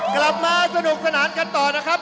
กลับมาสนุกสนานกันต่อนะครับ